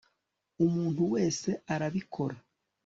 umuntu wese arabikora